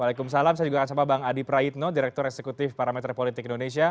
waalaikumsalam saya juga akan sama bang adi praitno direktur eksekutif parameter politik indonesia